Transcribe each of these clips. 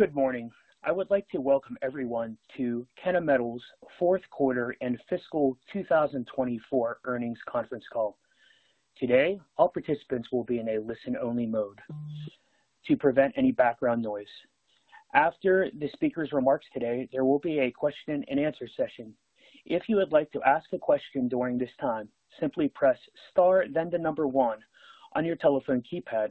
Good morning. I would like to welcome everyone to Kennametal's fourth quarter and fiscal 2024 earnings conference call. Today, all participants will be in a listen-only mode to prevent any background noise. After the speakers' remarks today, there will be a question-and-answer session. If you would like to ask a question during this time, simply press star, then the number one on your telephone keypad.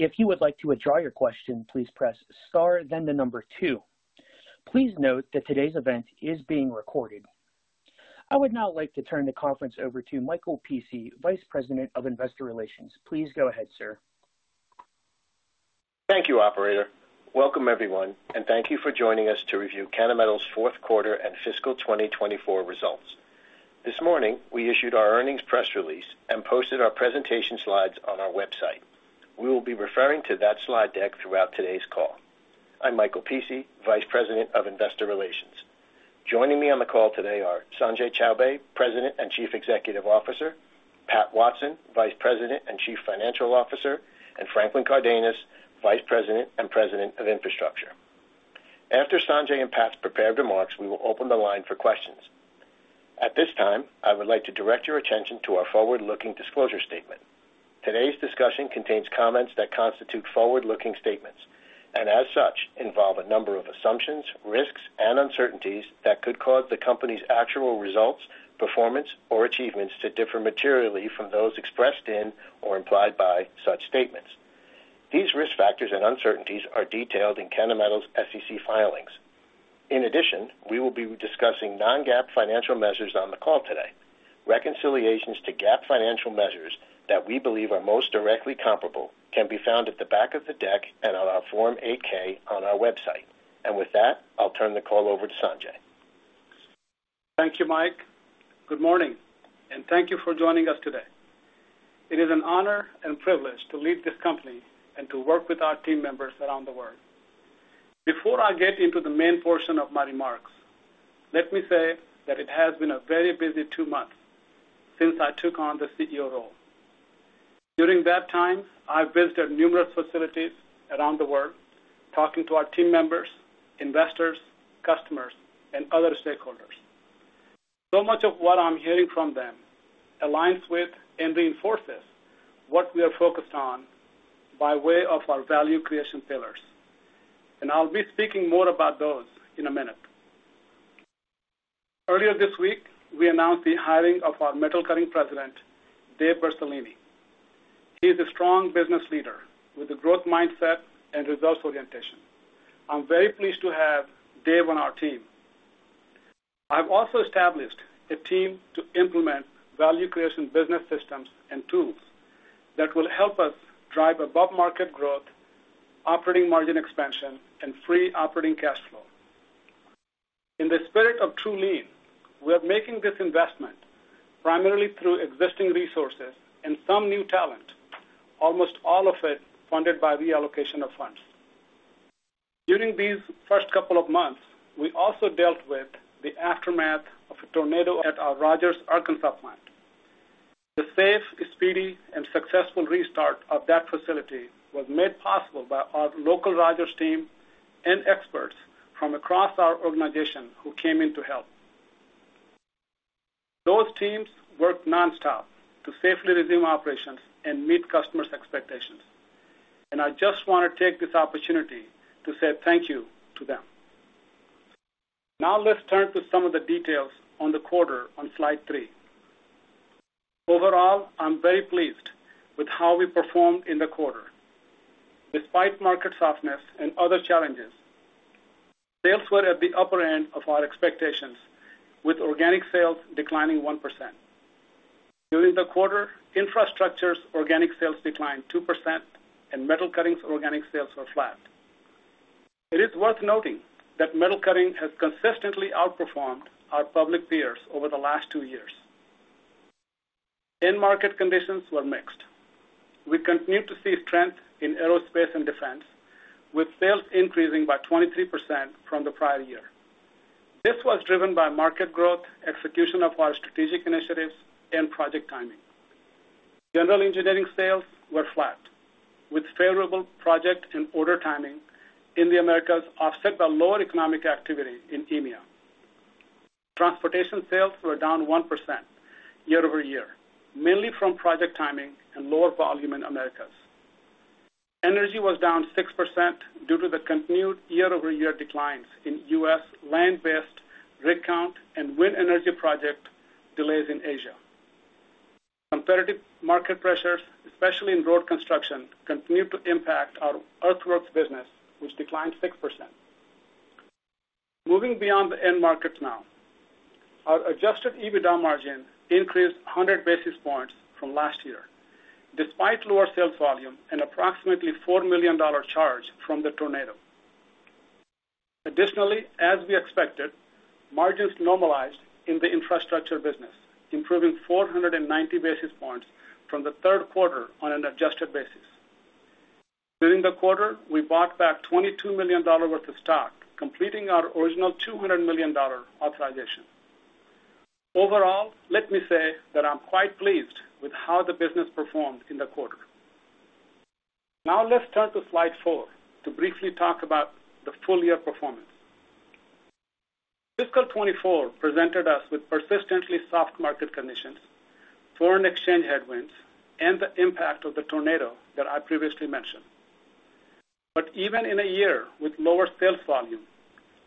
If you would like to withdraw your question, please press star, then the number two. Please note that today's event is being recorded. I would now like to turn the conference over to Michael Pici, Vice President of Investor Relations. Please go ahead, sir. Thank you, Operator. Welcome, everyone, and thank you for joining us to review Kennametal's fourth quarter and fiscal 2024 results. This morning, we issued our earnings press release and posted our presentation slides on our website. We will be referring to that slide deck throughout today's call. I'm Michael Pici, Vice President of Investor Relations. Joining me on the call today are Sanjay Chowbey, President and Chief Executive Officer, Pat Watson, Vice President and Chief Financial Officer, and Franklin Cardenas, Vice President and President of Infrastructure. After Sanjay and Pat's prepared remarks, we will open the line for questions. At this time, I would like to direct your attention to our forward-looking disclosure statement. Today's discussion contains comments that constitute forward-looking statements and, as such, involve a number of assumptions, risks, and uncertainties that could cause the company's actual results, performance, or achievements to differ materially from those expressed in or implied by such statements. These risk factors and uncertainties are detailed in Kennametal's SEC filings. In addition, we will be discussing non-GAAP financial measures on the call today. Reconciliations to GAAP financial measures that we believe are most directly comparable can be found at the back of the deck and on our Form 8-K on our website. And with that, I'll turn the call over to Sanjay. Thank you, Mike. Good morning, and thank you for joining us today. It is an honor and privilege to lead this company and to work with our team members around the world. Before I get into the main portion of my remarks, let me say that it has been a very busy two months since I took on the CEO role. During that time, I visited numerous facilities around the world, talking to our team members, investors, customers, and other stakeholders. So much of what I'm hearing from them aligns with and reinforces what we are focused on by way of our Value Creation Pillars. I'll be speaking more about those in a minute. Earlier this week, we announced the hiring of our Metal Cutting President, Dave Borsellino. He is a strong business leader with a growth mindset and results orientation. I'm very pleased to have Dave on our team. I've also established a team to implement value creation business systems and tools that will help us drive above-market growth, operating margin expansion, and free operating cash flow. In the spirit of true lean, we are making this investment primarily through existing resources and some new talent, almost all of it funded by reallocation of funds. During these first couple of months, we also dealt with the aftermath of a tornado at our Rogers, Arkansas plant. The safe, speedy, and successful restart of that facility was made possible by our local Rogers team and experts from across our organization who came in to help. Those teams worked nonstop to safely resume operations and meet customers' expectations. And I just want to take this opportunity to say thank you to them. Now let's turn to some of the details on the quarter on slide three. Overall, I'm very pleased with how we performed in the quarter. Despite market softness and other challenges, sales were at the upper end of our expectations, with organic sales declining 1%. During the quarter, Infrastructure's organic sales declined 2%, and Metal Cutting's organic sales were flat. It is worth noting that Metal Cutting has consistently outperformed our public peers over the last two years. End market conditions were mixed. We continue to see strength in aerospace and defense, with sales increasing by 23% from the prior year. This was driven by market growth, execution of our strategic initiatives, and project timing. General engineering sales were flat, with favorable project and order timing in the Americas offset by lower economic activity in EMEA. Transportation sales were down 1% year-over-year, mainly from project timing and lower volume in the Americas. Energy was down 6% due to the continued year-over-year declines in U.S. land-based rig count and wind energy project delays in Asia. Competitive market pressures, especially in road construction, continue to impact our earthworks business, which declined 6%. Moving beyond the end markets now, our Adjusted EBITDA margin increased 100 basis points from last year, despite lower sales volume and approximately $4 million charge from the tornado. Additionally, as we expected, margins normalized in the infrastructure business, improving 490 basis points from the third quarter on an adjusted basis. During the quarter, we bought back $22 million worth of stock, completing our original $200 million authorization. Overall, let me say that I'm quite pleased with how the business performed in the quarter. Now let's turn to slide four to briefly talk about the full-year performance. Fiscal 2024 presented us with persistently soft market conditions, foreign exchange headwinds, and the impact of the tornado that I previously mentioned. But even in a year with lower sales volume,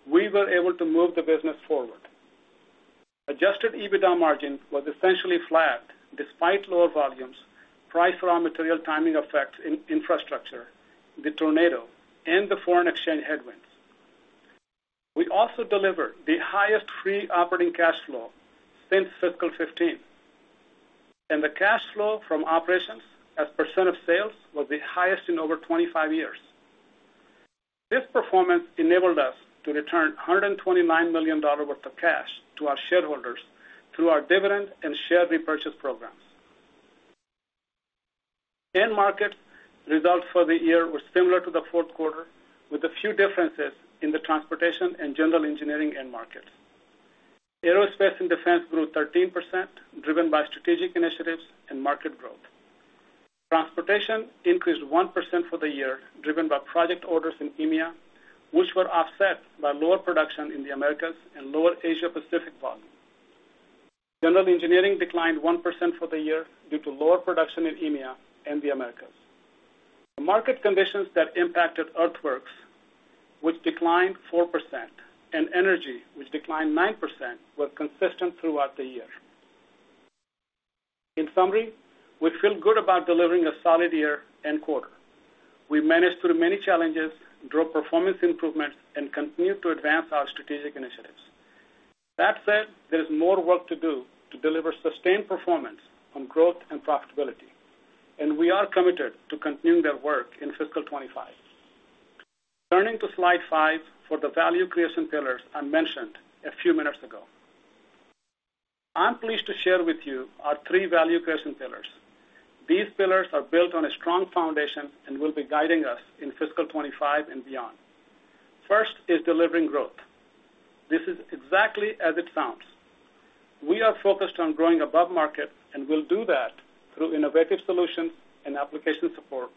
we were able to move the business forward. Adjusted EBITDA margin was essentially flat despite lower volumes, price-for-raw material timing effects in infrastructure, the tornado, and the foreign exchange headwinds. We also delivered the highest Free Operating Cash Flow since fiscal 2015. The cash flow from operations as percent of sales was the highest in over 25 years. This performance enabled us to return $129 million worth of cash to our shareholders through our dividend and share repurchase programs. End market results for the year were similar to the fourth quarter, with a few differences in the transportation and general engineering end markets. Aerospace and defense grew 13%, driven by strategic initiatives and market growth. Transportation increased 1% for the year, driven by project orders in EMEA, which were offset by lower production in the Americas and lower Asia-Pacific volume. General engineering declined 1% for the year due to lower production in EMEA and the Americas. The market conditions that impacted earthworks, which declined 4%, and energy, which declined 9%, were consistent throughout the year. In summary, we feel good about delivering a solid year and quarter. We managed through many challenges, drove performance improvements, and continued to advance our strategic initiatives. That said, there is more work to do to deliver sustained performance on growth and profitability. We are committed to continuing that work in fiscal 2025. Turning to slide five for the value creation pillars I mentioned a few minutes ago. I'm pleased to share with you our three Value Creation Pillars. These pillars are built on a strong foundation and will be guiding us in fiscal 2025 and beyond. First is delivering growth. This is exactly as it sounds. We are focused on growing above market and will do that through innovative solutions and application support,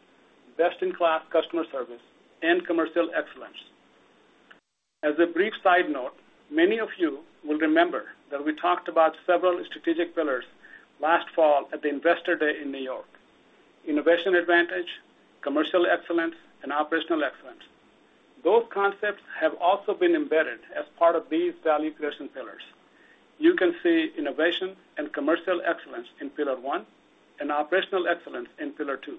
best-in-class customer service, and commercial excellence. As a brief side note, many of you will remember that we talked about several strategic pillars last fall at the Investor Day in New York: innovation advantage, commercial excellence, and operational excellence. Those concepts have also been embedded as part of these Value Creation Pillars. You can see innovation and commercial excellence in pillar one and operational excellence in pillar two.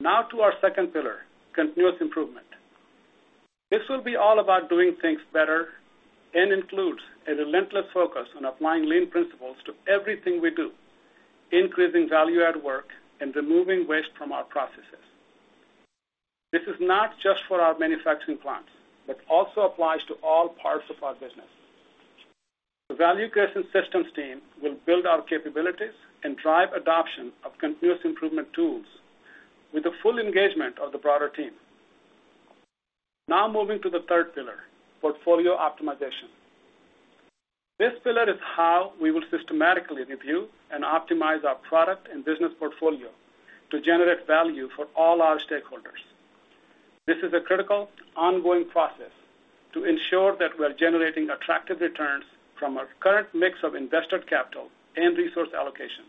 Now to our second pillar, continuous improvement. This will be all about doing things better and includes a relentless focus on applying lean principles to everything we do, increasing value-add work, and removing waste from our processes. This is not just for our manufacturing plants, but also applies to all parts of our business. The value creation systems team will build our capabilities and drive adoption of continuous improvement tools with the full engagement of the broader team. Now moving to the third pillar, portfolio optimization. This pillar is how we will systematically review and optimize our product and business portfolio to generate value for all our stakeholders. This is a critical ongoing process to ensure that we are generating attractive returns from our current mix of invested capital and resource allocation.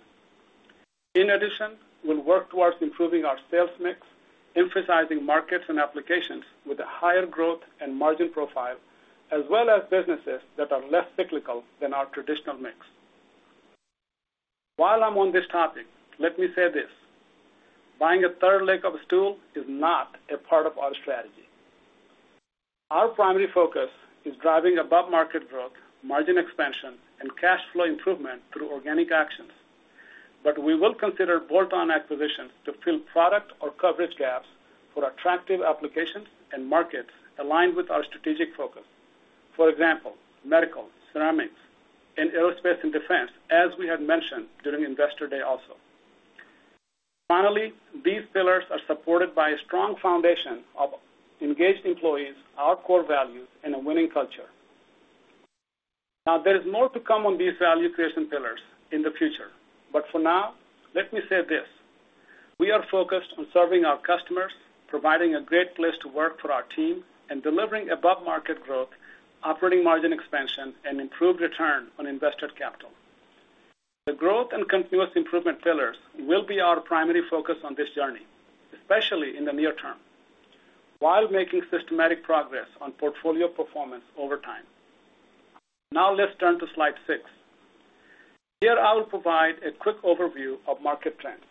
In addition, we'll work towards improving our sales mix, emphasizing markets and applications with a higher growth and margin profile, as well as businesses that are less cyclical than our traditional mix. While I'm on this topic, let me say this: buying a third leg of a stool is not a part of our strategy. Our primary focus is driving above-market growth, margin expansion, and cash flow improvement through organic actions. But we will consider bolt-on acquisitions to fill product or coverage gaps for attractive applications and markets aligned with our strategic focus. For example, medical, ceramics, and aerospace and defense, as we had mentioned during Investor Day also. Finally, these pillars are supported by a strong foundation of engaged employees, our core values, and a winning culture. Now, there is more to come on these value creation pillars in the future. But for now, let me say this: we are focused on serving our customers, providing a great place to work for our team, and delivering above-market growth, operating margin expansion, and improved return on invested capital. The growth and continuous improvement pillars will be our primary focus on this journey, especially in the near term, while making systematic progress on portfolio performance over time. Now let's turn to slide six. Here, I will provide a quick overview of market trends.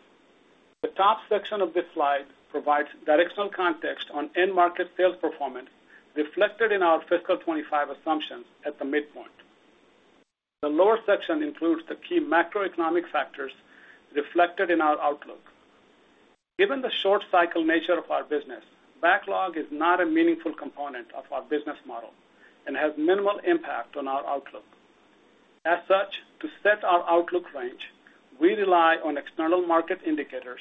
The top section of this slide provides directional context on end market sales performance reflected in our fiscal 2025 assumptions at the midpoint. The lower section includes the key macroeconomic factors reflected in our outlook. Given the short-cycle nature of our business, backlog is not a meaningful component of our business model and has minimal impact on our outlook. As such, to set our outlook range, we rely on external market indicators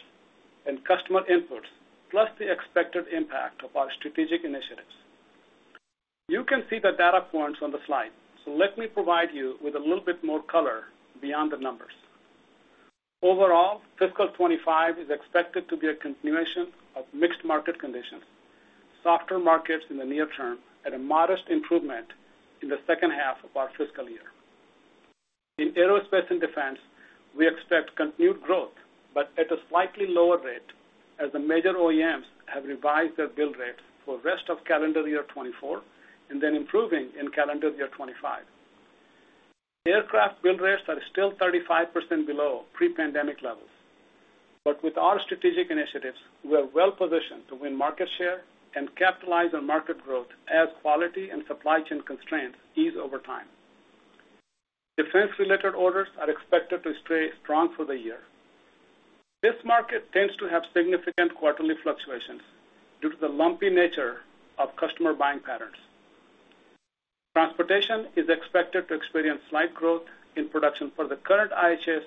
and customer inputs, plus the expected impact of our strategic initiatives. You can see the data points on the slide, so let me provide you with a little bit more color beyond the numbers. Overall, fiscal 2025 is expected to be a continuation of mixed market conditions, softer markets in the near term, and a modest improvement in the second half of our fiscal year. In aerospace and defense, we expect continued growth, but at a slightly lower rate, as the major OEMs have revised their bill rates for the rest of calendar year 2024 and then improving in calendar year 2025. Aircraft bill rates are still 35% below pre-pandemic levels. But with our strategic initiatives, we are well-positioned to win market share and capitalize on market growth as quality and supply chain constraints ease over time. Defense-related orders are expected to stay strong for the year. This market tends to have significant quarterly fluctuations due to the lumpy nature of customer buying patterns. Transportation is expected to experience slight growth in production for the current IHS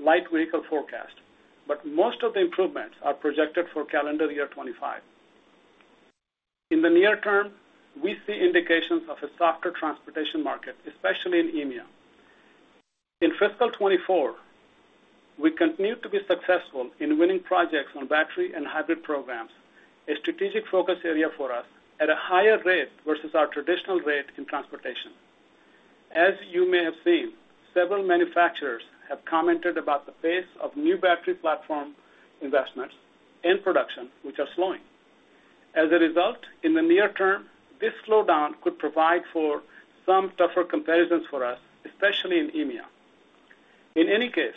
light vehicle forecast, but most of the improvements are projected for calendar year 2025. In the near term, we see indications of a softer transportation market, especially in EMEA. In fiscal 2024, we continue to be successful in winning projects on battery and hybrid programs, a strategic focus area for us at a higher rate versus our traditional rate in transportation. As you may have seen, several manufacturers have commented about the pace of new battery platform investments and production, which are slowing. As a result, in the near term, this slowdown could provide for some tougher comparisons for us, especially in EMEA. In any case,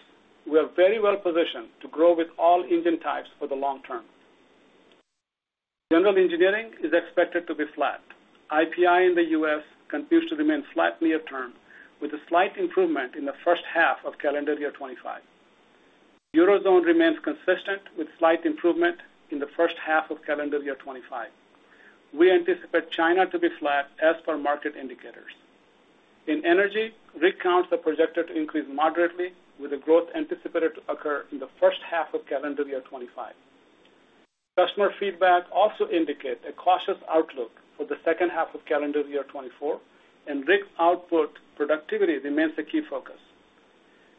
we are very well-positioned to grow with all engine types for the long term. General engineering is expected to be flat. IPI in the U.S. continues to remain flat near term, with a slight improvement in the first half of calendar year 2025. Eurozone remains consistent with slight improvement in the first half of calendar year 2025. We anticipate China to be flat as per market indicators. In energy, rig counts are projected to increase moderately, with the growth anticipated to occur in the first half of calendar year 2025. Customer feedback also indicates a cautious outlook for the second half of calendar year 2024, and rig output productivity remains a key focus.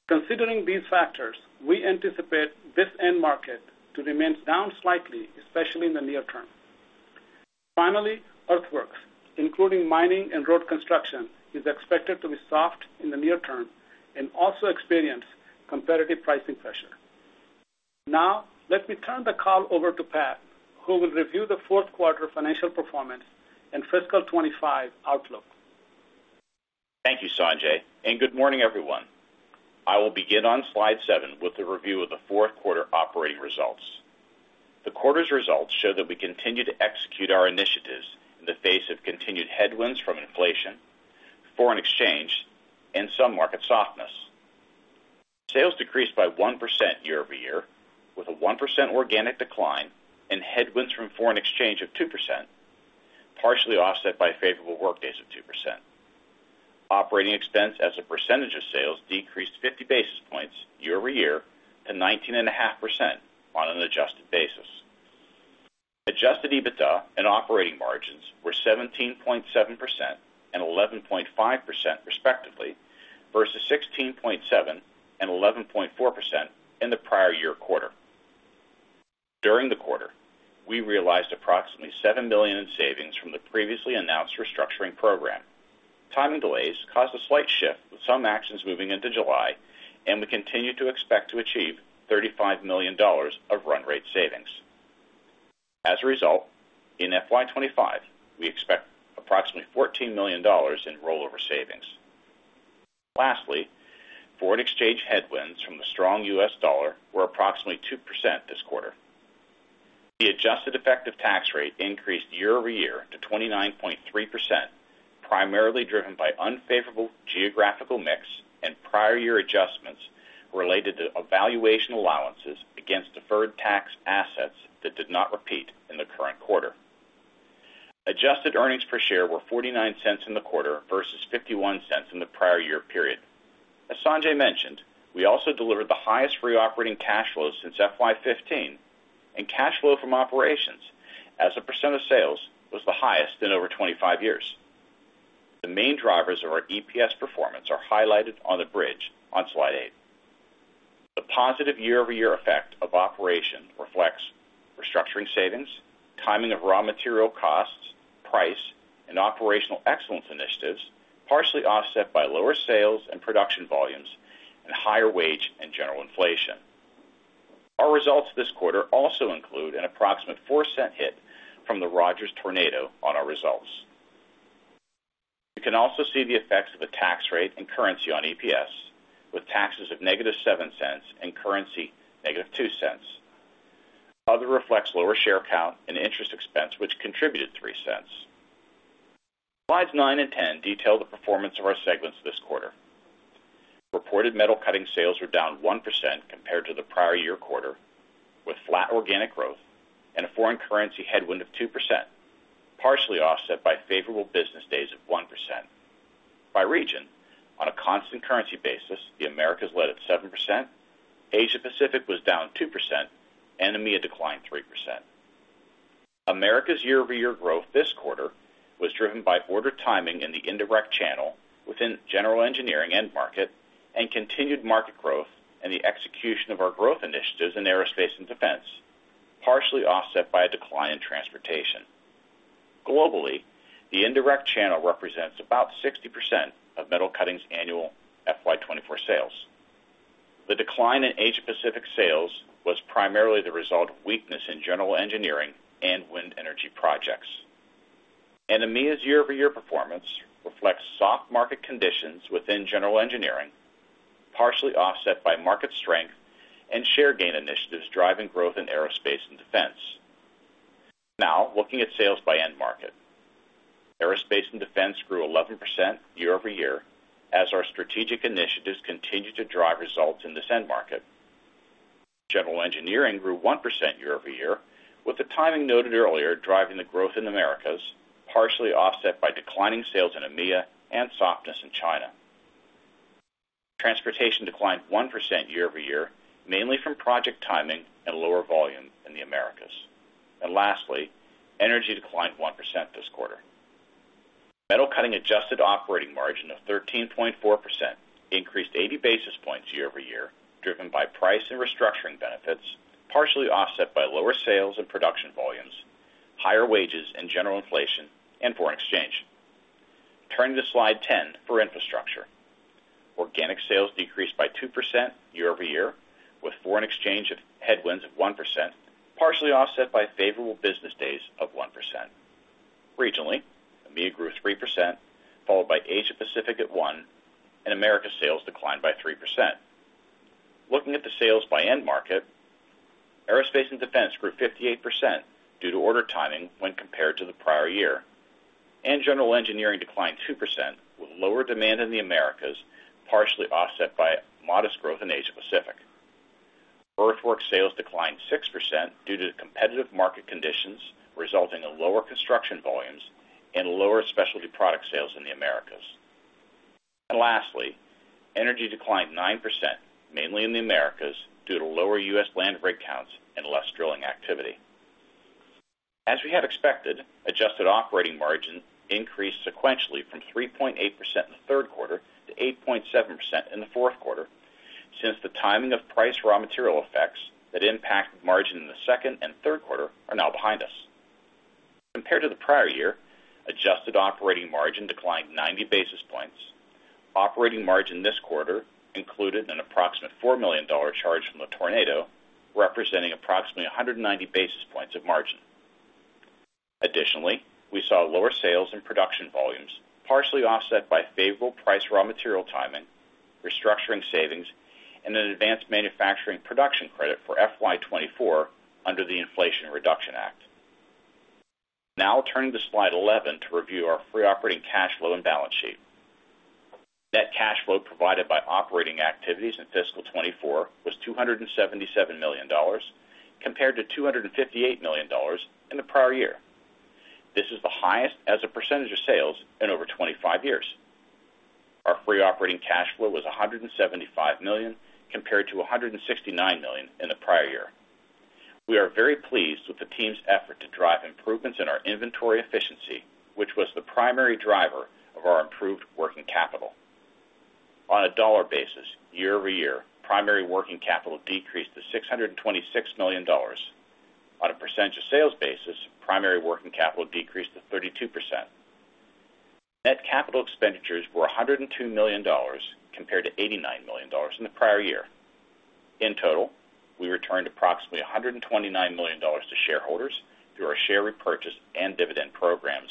Considering these factors, we anticipate this end market to remain down slightly, especially in the near term. Finally, earthworks, including mining and road construction, are expected to be soft in the near term and also experience competitive pricing pressure. Now, let me turn the call over to Pat, who will review the fourth quarter financial performance and fiscal 2025 outlook. Thank you, Sanjay. Good morning, everyone. I will begin on slide seven with the review of the fourth quarter operating results. The quarter's results show that we continue to execute our initiatives in the face of continued headwinds from inflation, foreign exchange, and some market softness. Sales decreased by 1% year-over-year, with a 1% organic decline and headwinds from foreign exchange of 2%, partially offset by favorable workdays of 2%. Operating expense, as a percentage of sales, decreased 50 basis points year-over-year to 19.5% on an adjusted basis. Adjusted EBITDA and operating margins were 17.7% and 11.5%, respectively, versus 16.7% and 11.4% in the prior year quarter. During the quarter, we realized approximately $7 million in savings from the previously announced restructuring program. Timing delays caused a slight shift with some actions moving into July, and we continue to expect to achieve $35 million of run rate savings. As a result, in FY 2025, we expect approximately $14 million in rollover savings. Lastly, foreign exchange headwinds from the strong U.S. dollar were approximately 2% this quarter. The adjusted effective tax rate increased year-over-year to 29.3%, primarily driven by unfavorable geographical mix and prior year adjustments related to valuation allowances against deferred tax assets that did not repeat in the current quarter. Adjusted earnings per share were $0.49 in the quarter versus $0.51 in the prior year period. As Sanjay mentioned, we also delivered the highest free operating cash flows since FY 2015, and cash flow from operations, as a percent of sales, was the highest in over 25 years. The main drivers of our EPS performance are highlighted on the bridge on slide eight. The positive year-over-year effect of operations reflects restructuring savings, timing of raw material costs, pricing, and operational excellence initiatives, partially offset by lower sales and production volumes and higher wage and general inflation. Our results this quarter also include an approximate 4% hit from the Rogers tornado on our results. You can also see the effects of the tax rate and currency on EPS, with taxes of -$0.07 and currency -$0.02. Other reflects lower share count and interest expense, which contributed $0.03. Slides 9 and 10 detail the performance of our segments this quarter. Reported Metal Cutting sales were down 1% compared to the prior year quarter, with flat organic growth and a foreign currency headwind of 2%, partially offset by favorable business days of 1%. By region, on a constant currency basis, the Americas led at 7%, Asia-Pacific was down 2%, and EMEA declined 3%. The Americas' year-over-year growth this quarter was driven by order timing in the indirect channel within general engineering and market, and continued market growth and the execution of our growth initiatives in aerospace and defense, partially offset by a decline in transportation. Globally, the indirect channel represents about 60% of Metal Cutting's annual FY 2024 sales. The decline in Asia-Pacific sales was primarily the result of weakness in general engineering and wind energy projects. EMEA's year-over-year performance reflects soft market conditions within general engineering, partially offset by market strength and share gain initiatives driving growth in aerospace and defense. Now, looking at sales by end market, aerospace and defense grew 11% year-over-year as our strategic initiatives continued to drive results in this end market. General engineering grew 1% year-over-year, with the timing noted earlier driving the growth in the Americas, partially offset by declining sales in EMEA and softness in China. Transportation declined 1% year-over-year, mainly from project timing and lower volume in the Americas. Lastly, energy declined 1% this quarter. Metal Cutting adjusted operating margin of 13.4% increased 80 basis points year-over-year, driven by price and restructuring benefits, partially offset by lower sales and production volumes, higher wages and general inflation, and foreign exchange. Turning to slide 10 for Infrastructure, organic sales decreased by 2% year-over-year, with foreign exchange headwinds of 1%, partially offset by favorable business days of 1%. Regionally, EMEA grew 3%, followed by Asia-Pacific at 1%, and Americas sales declined by 3%. Looking at the sales by end market, aerospace and defense grew 58% due to order timing when compared to the prior year. General engineering declined 2%, with lower demand in the Americas, partially offset by modest growth in Asia-Pacific. Earthwork sales declined 6% due to competitive market conditions, resulting in lower construction volumes and lower specialty product sales in the Americas. Lastly, energy declined 9%, mainly in the Americas, due to lower U.S. land rig counts and less drilling activity. As we had expected, adjusted operating margin increased sequentially from 3.8% in the third quarter to 8.7% in the fourth quarter since the timing of price raw material effects that impacted margin in the second and third quarter are now behind us. Compared to the prior year, adjusted operating margin declined 90 basis points. Operating margin this quarter included an approximate $4 million charge from the tornado, representing approximately 190 basis points of margin. Additionally, we saw lower sales and production volumes, partially offset by favorable price raw material timing, restructuring savings, and an advanced manufacturing production credit for FY 2024 under the Inflation Reduction Act. Now, turning to slide 11 to review our free operating cash flow and balance sheet. Net cash flow provided by operating activities in fiscal 2024 was $277 million, compared to $258 million in the prior year. This is the highest as a percentage of sales in over 25 years. Our free operating cash flow was $175 million compared to $169 million in the prior year. We are very pleased with the team's effort to drive improvements in our inventory efficiency, which was the primary driver of our improved working capital. On a dollar basis, year-over-year, primary working capital decreased to $626 million. On a percentage of sales basis, primary working capital decreased to 32%. Net capital expenditures were $102 million compared to $89 million in the prior year. In total, we returned approximately $129 million to shareholders through our share repurchase and dividend programs.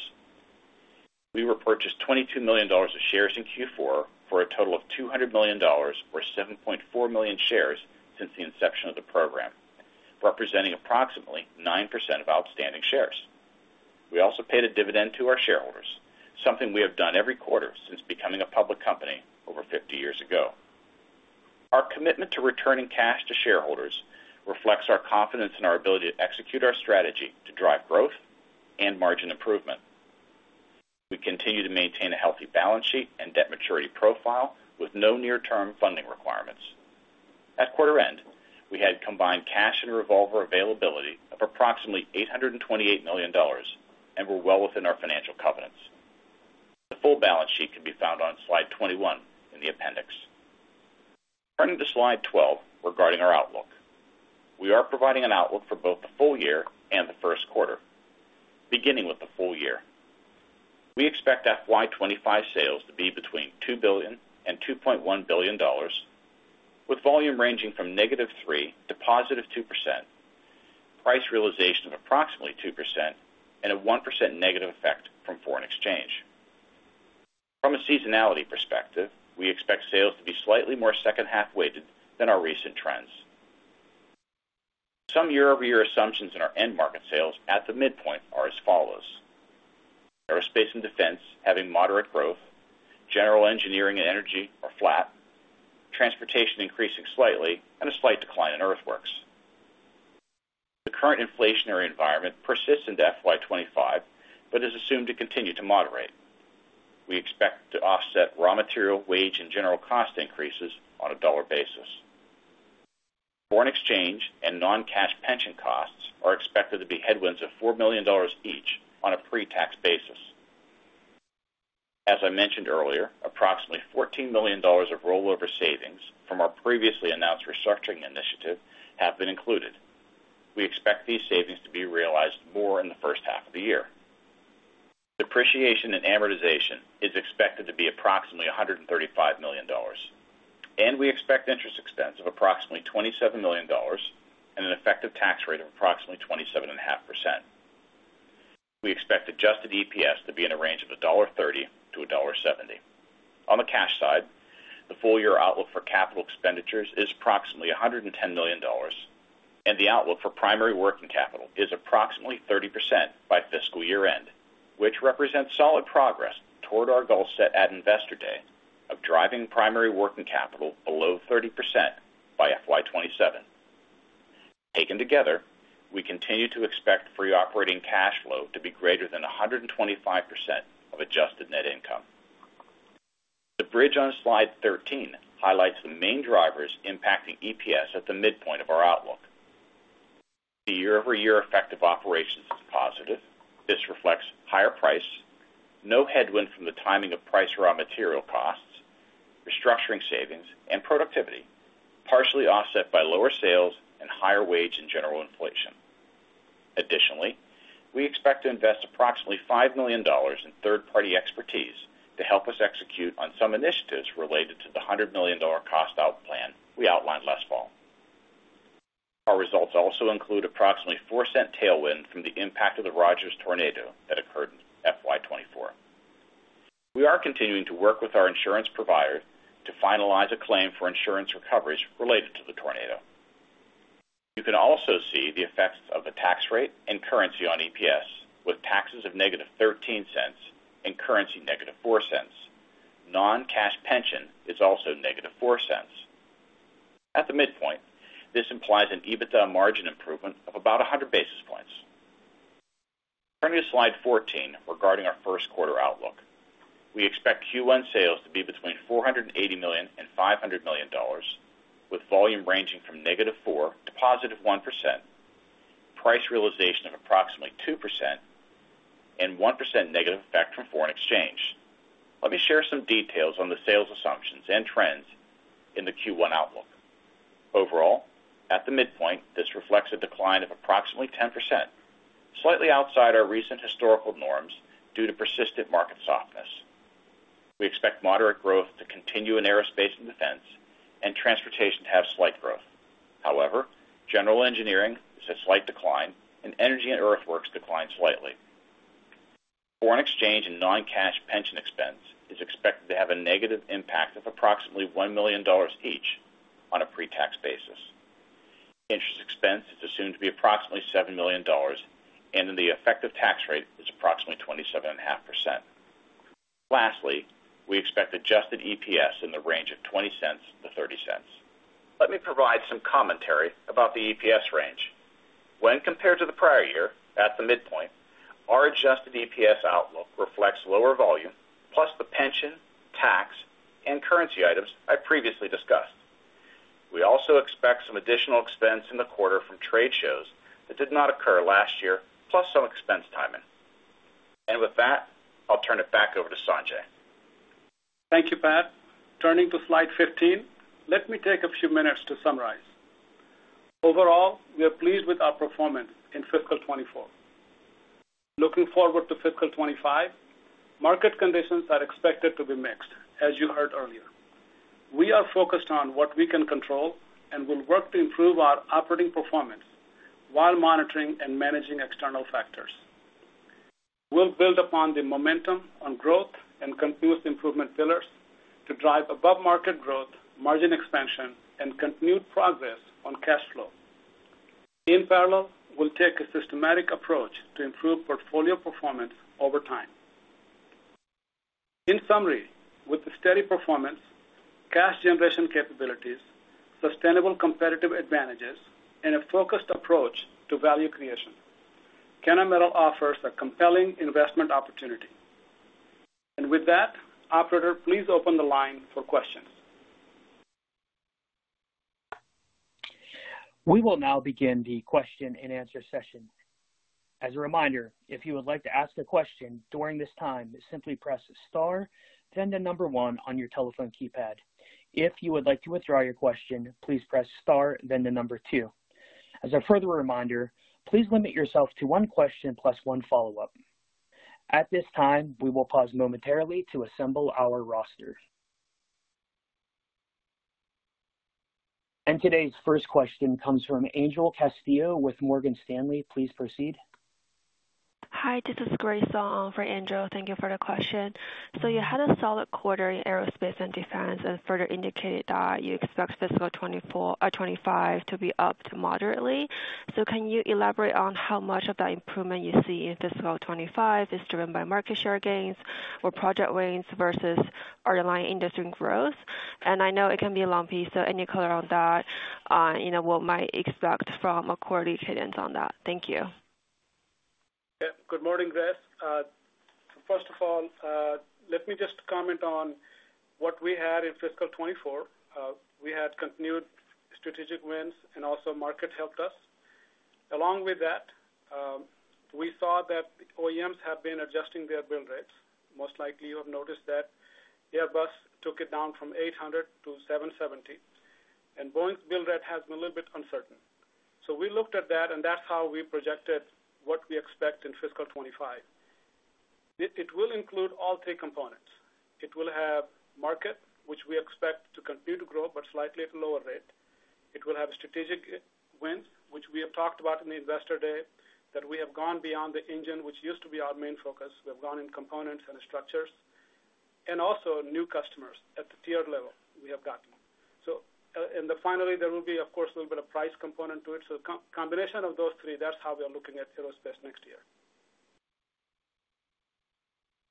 We repurchased $22 million of shares in Q4 for a total of $200 million, or 7.4 million shares since the inception of the program, representing approximately 9% of outstanding shares. We also paid a dividend to our shareholders, something we have done every quarter since becoming a public company over 50 years ago. Our commitment to returning cash to shareholders reflects our confidence in our ability to execute our strategy to drive growth and margin improvement. We continue to maintain a healthy balance sheet and debt maturity profile with no near-term funding requirements. At quarter end, we had combined cash and revolver availability of approximately $828 million and were well within our financial covenants. The full balance sheet can be found on slide 21 in the appendix. Turning to slide 12 regarding our outlook, we are providing an outlook for both the full year and the first quarter, beginning with the full year. We expect FY 2025 sales to be between $2 billion and $2.1 billion, with volume ranging from -3% to +2%, price realization of approximately 2%, and a -1% negative effect from foreign exchange. From a seasonality perspective, we expect sales to be slightly more second-half weighted than our recent trends. Some year-over-year assumptions in our end market sales at the midpoint are as follows. Aerospace and defense having moderate growth, general engineering and energy are flat, transportation increasing slightly, and a slight decline in earthworks. The current inflationary environment persists into FY 2025 but is assumed to continue to moderate. We expect to offset raw material, wage, and general cost increases on a dollar basis. Foreign exchange and non-cash pension costs are expected to be headwinds of $4 million each on a pre-tax basis. As I mentioned earlier, approximately $14 million of rollover savings from our previously announced restructuring initiative have been included. We expect these savings to be realized more in the first half of the year. Depreciation and amortization is expected to be approximately $135 million, and we expect interest expense of approximately $27 million and an effective tax rate of approximately 27.5%. We expect adjusted EPS to be in the range of $1.30-$1.70. On the cash side, the full year outlook for capital expenditures is approximately $110 million, and the outlook for primary working capital is approximately 30% by fiscal year end, which represents solid progress toward our goal set at investor day of driving primary working capital below 30% by FY 2027. Taken together, we continue to expect free operating cash flow to be greater than 125% of adjusted net income. The bridge on slide 13 highlights the main drivers impacting EPS at the midpoint of our outlook. The year-over-year effect of operations is positive. This reflects higher price, no headwind from the timing of price raw material costs, restructuring savings, and productivity, partially offset by lower sales and higher wage and general inflation. Additionally, we expect to invest approximately $5 million in third-party expertise to help us execute on some initiatives related to the $100 million cost out plan we outlined last fall. Our results also include approximately 4% tailwind from the impact of the Rogers tornado that occurred in FY 2024. We are continuing to work with our insurance provider to finalize a claim for insurance recoveries related to the tornado. You can also see the effects of the tax rate and currency on EPS, with taxes of -$0.13 and currency -$0.04. Non-cash pension is also -$0.04. At the midpoint, this implies an EBITDA margin improvement of about 100 basis points. Turning to slide 14 regarding our first quarter outlook, we expect Q1 sales to be between $480 million and $500 million, with volume ranging from -4% to +1%, price realization of approximately 2%, and -1% effect from foreign exchange. Let me share some details on the sales assumptions and trends in the Q1 outlook. Overall, at the midpoint, this reflects a decline of approximately 10%, slightly outside our recent historical norms due to persistent market softness. We expect moderate growth to continue in aerospace and defense and transportation to have slight growth. However, general engineering is a slight decline and energy and earthworks decline slightly. Foreign exchange and non-cash pension expense is expected to have a negative impact of approximately $1 million each on a pre-tax basis. Interest expense is assumed to be approximately $7 million, and then the effective tax rate is approximately 27.5%. Lastly, we expect adjusted EPS in the range of $0.20-$0.30. Let me provide some commentary about the EPS range. When compared to the prior year at the midpoint, our adjusted EPS outlook reflects lower volume plus the pension, tax, and currency items I previously discussed. We also expect some additional expense in the quarter from trade shows that did not occur last year, plus some expense timing. And with that, I'll turn it back over to Sanjay. Thank you, Pat. Turning to slide 15, let me take a few minutes to summarize. Overall, we are pleased with our performance in fiscal 2024. Looking forward to fiscal 2025, market conditions are expected to be mixed, as you heard earlier. We are focused on what we can control and will work to improve our operating performance while monitoring and managing external factors. We'll build upon the momentum on growth and continuous improvement pillars to drive above-market growth, margin expansion, and continued progress on cash flow. In parallel, we'll take a systematic approach to improve portfolio performance over time. In summary, with the steady performance, cash generation capabilities, sustainable competitive advantages, and a focused approach to value creation, Kennametal offers a compelling investment opportunity. And with that, Operator, please open the line for questions. We will now begin the question and answer session. As a reminder, if you would like to ask a question during this time, simply press the star, then the number one on your telephone keypad. If you would like to withdraw your question, please press star, then the number two. As a further reminder, please limit yourself to one question plus one follow-up. At this time, we will pause momentarily to assemble our roster. Today's first question comes from Angel Castillo with Morgan Stanley. Please proceed. Hi, this is Grace for Angel. Thank you for the question. So you had a solid quarter in aerospace and defense and further indicated that you expect fiscal 2024 or 2025 to be up to moderately. So can you elaborate on how much of that improvement you see in fiscal 2025 is driven by market share gains or project wins versus underlying industry growth? And I know it can be a long piece, so any color on that, what might expect from a quarterly cadence on that? Thank you. Good morning, Grace. First of all, let me just comment on what we had in fiscal 2024. We had continued strategic wins and also market helped us. Along with that, we saw that OEMs have been adjusting their bill rates. Most likely, you have noticed that Airbus took it down from 800-770, and Boeing's bill rate has been a little bit uncertain. So we looked at that, and that's how we projected what we expect in fiscal 2025. It will include all three components. It will have market, which we expect to continue to grow, but slightly at a lower rate. It will have strategic wins, which we have talked about in the Investor Day, that we have gone beyond the engine, which used to be our main focus. We have gone in components and structures, and also new customers at the tiered level we have gotten. So finally, there will be, of course, a little bit of price component to it. So the combination of those three, that's how we are looking at aerospace next year.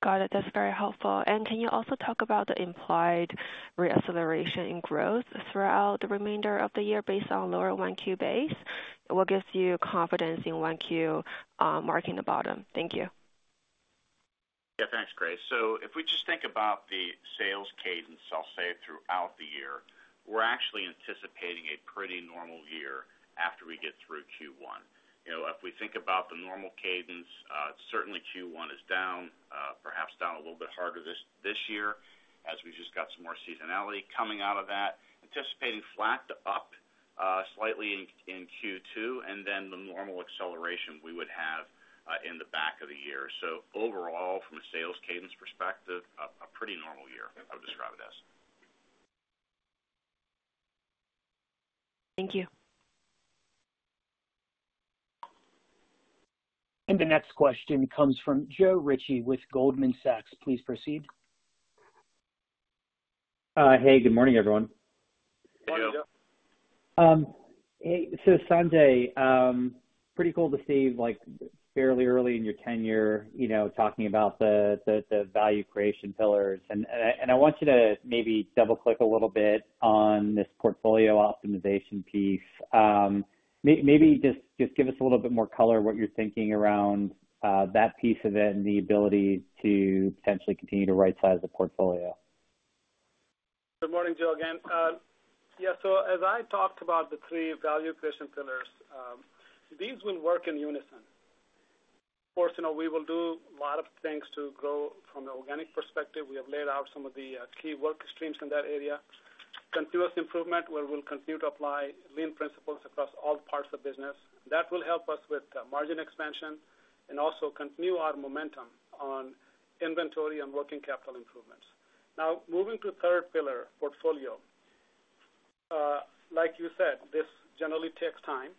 Got it. That's very helpful. Can you also talk about the implied reacceleration in growth throughout the remainder of the year based on lower 1Q base? What gives you confidence in 1Q marking the bottom? Thank you. Yeah, thanks, Grace. So if we just think about the sales cadence, I'll say throughout the year, we're actually anticipating a pretty normal year after we get through Q1. If we think about the normal cadence, certainly Q1 is down, perhaps down a little bit harder this year as we just got some more seasonality coming out of that, anticipating flat to up slightly in Q2, and then the normal acceleration we would have in the back of the year. So overall, from a sales cadence perspective, a pretty normal year, I would describe it as. Thank you. And the next question comes from Joe Ritchie with Goldman Sachs. Please proceed. Hey, good morning, everyone. Hello. Hey, so Sanjay, pretty cool to see fairly early in your tenure talking about the value creation pillars. I want you to maybe double-click a little bit on this portfolio optimization piece. Maybe just give us a little bit more color of what you're thinking around that piece of it and the ability to potentially continue to right-size the portfolio. Good morning, Joe again. Yeah, so as I talked about the three value creation pillars, these will work in unison. Of course, we will do a lot of things to grow from an organic perspective. We have laid out some of the key work streams in that area. Continuous improvement where we'll continue to apply lean principles across all parts of business. That will help us with margin expansion and also continue our momentum on inventory and working capital improvements. Now, moving to third pillar, portfolio. Like you said, this generally takes time.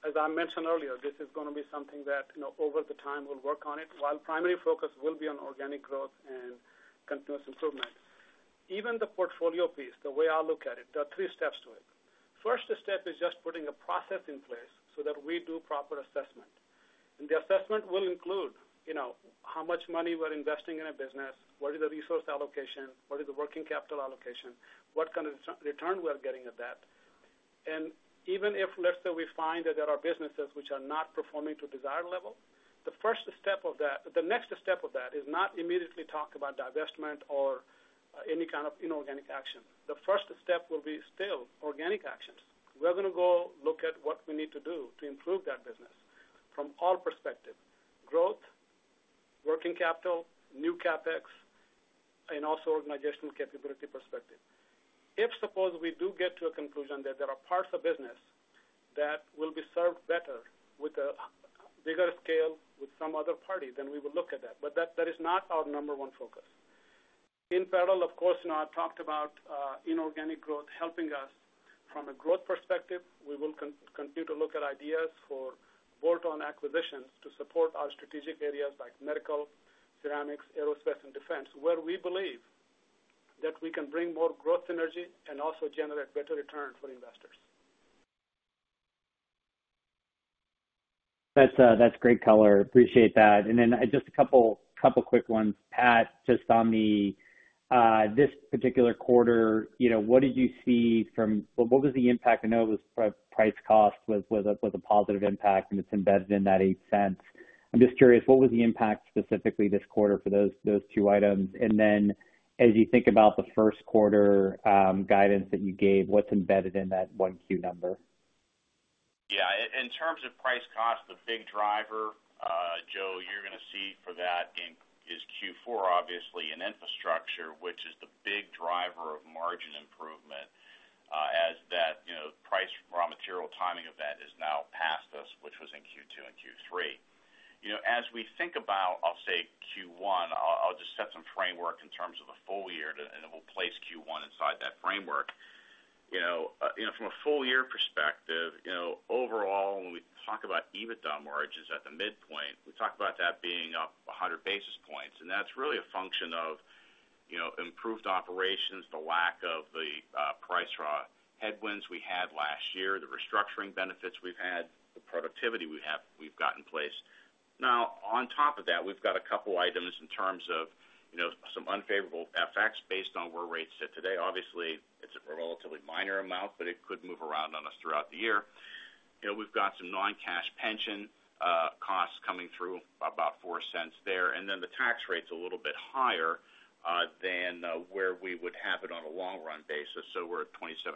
As I mentioned earlier, this is going to be something that over the time we'll work on it, while primary focus will be on organic growth and continuous improvement. Even the portfolio piece, the way I look at it, there are three steps to it. First step is just putting a process in place so that we do proper assessment. The assessment will include how much money we're investing in a business, what is the resource allocation, what is the working capital allocation, what kind of return we're getting at that. Even if, let's say, we find that there are businesses which are not performing to desired level, the next step of that is not immediately talk about divestment or any kind of inorganic action. The first step will be still organic actions. We're going to go look at what we need to do to improve that business from all perspectives: growth, working capital, new CapEx, and also organizational capability perspective. If, suppose, we do get to a conclusion that there are parts of business that will be served better with a bigger scale with some other party, then we will look at that. But that is not our number one focus. In parallel, of course, I talked about inorganic growth helping us. From a growth perspective, we will continue to look at ideas for bolt-on acquisitions to support our strategic areas like medical, ceramics, aerospace, and defense, where we believe that we can bring more growth energy and also generate better return for investors. That's great color. Appreciate that. And then just a couple quick ones. Pat, just on this particular quarter, what did you see from what was the impact? I know it was price cost with a positive impact, and it's embedded in that $0.08. I'm just curious, what was the impact specifically this quarter for those two items? And then as you think about the first quarter guidance that you gave, what's embedded in that 1Q number? Yeah. In terms of price cost, the big driver, Joe, you're going to see for that is Q4, obviously, in infrastructure, which is the big driver of margin improvement as that price raw material timing event is now past us, which was in Q2 and Q3. As we think about, I'll say, Q1, I'll just set some framework in terms of the full year, and we'll place Q1 inside that framework. From a full year perspective, overall, when we talk about EBITDA margins at the midpoint, we talk about that being up 100 basis points. That's really a function of improved operations, the lack of the price headwinds we had last year, the restructuring benefits we've had, the productivity we've got in place. Now, on top of that, we've got a couple of items in terms of some unfavorable effects based on where rates sit today. Obviously, it's a relatively minor amount, but it could move around on us throughout the year. We've got some non-cash pension costs coming through, about $0.04 there. And then the tax rate's a little bit higher than where we would have it on a long-run basis. We're at 27.5%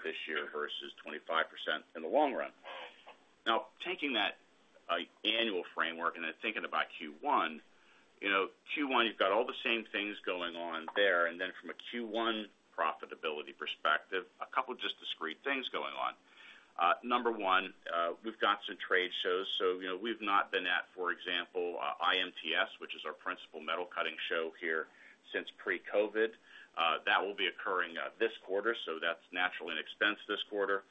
this year versus 25% in the long run. Now, taking that annual framework and then thinking about Q1, Q1, you've got all the same things going on there. And then from a Q1 profitability perspective, a couple of just discrete things going on. Number one, we've got some trade shows. So we've not been at, for example, IMTS, which is our principal metal cutting show here since pre-COVID. That will be occurring this quarter, so that's natural in expense this quarter.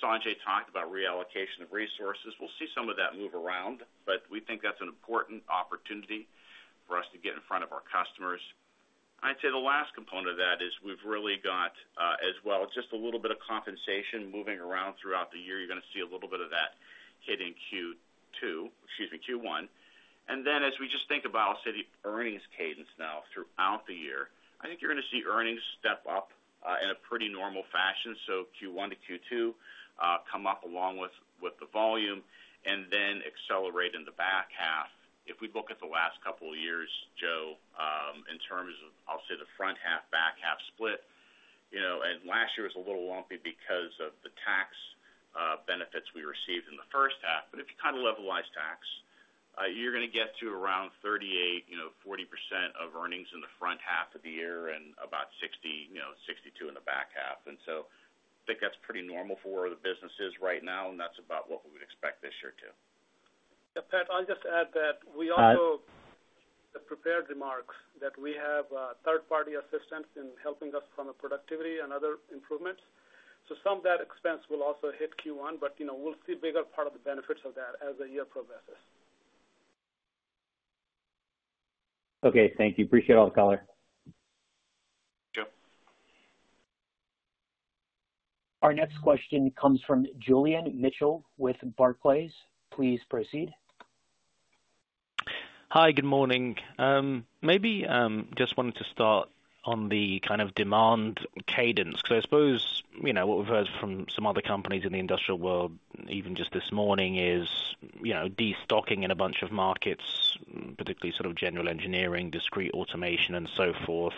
Sanjay talked about reallocation of resources. We'll see some of that move around, but we think that's an important opportunity for us to get in front of our customers. I'd say the last component of that is we've really got, as well, just a little bit of compensation moving around throughout the year. You're going to see a little bit of that hit in Q2, excuse me, Q1. And then as we just think about, I'll say, the earnings cadence now throughout the year, I think you're going to see earnings step up in a pretty normal fashion. So Q1-Q2 come up along with the volume and then accelerate in the back half. If we look at the last couple of years, Joe, in terms of, I'll say, the front half, back half split, and last year was a little lumpy because of the tax benefits we received in the first half. But if you kind of levelize tax, you're going to get to around 38%-40% of earnings in the front half of the year and about 60%-62% in the back half. And so I think that's pretty normal for where the business is right now, and that's about what we would expect this year too. Yeah, Pat, I'll just add that we also have prepared remarks that we have third-party assistance in helping us from a productivity and other improvements. So some of that expense will also hit Q1, but we'll see a bigger part of the benefits of that as the year progresses. Okay. Thank you. Appreciate all the color. Thank you. Our next question comes from Julian Mitchell with Barclays. Please proceed. Hi, good morning. Maybe just wanted to start on the kind of demand cadence because I suppose what we've heard from some other companies in the industrial world, even just this morning, is destocking in a bunch of markets, particularly sort of general engineering, discrete automation, and so forth,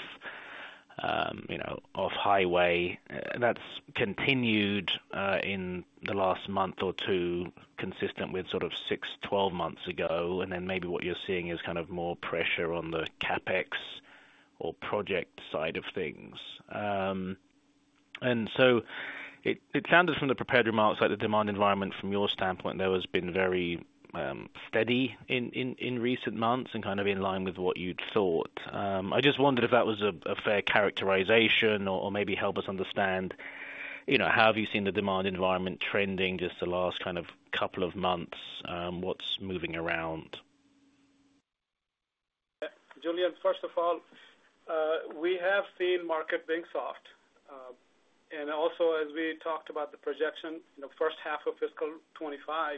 off-highway. That's continued in the last month or two, consistent with sort of six, 12 months ago. And then maybe what you're seeing is kind of more pressure on the CapEx or project side of things. So it sounded from the prepared remarks like the demand environment from your standpoint, though, has been very steady in recent months and kind of in line with what you'd thought. I just wondered if that was a fair characterization or maybe help us understand how have you seen the demand environment trending just the last kind of couple of months, what's moving around. Julian, first of all, we have seen market being soft. And also, as we talked about the projection, the first half of fiscal 2025,